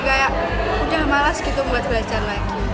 kayak udah malas gitu buat belajar lagi